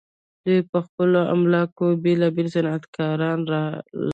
دوی په خپلو املاکو کې بیلابیل صنعتکاران لرل.